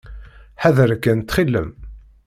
Ḥader kan, ttxil-m.